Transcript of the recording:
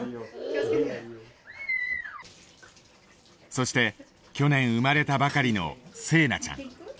そして去年生まれたばかりの彗奈ちゃん。